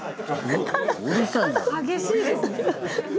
激しいですね。